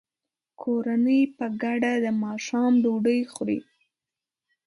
کورنۍ په ګډه د ماښام ډوډۍ خوري.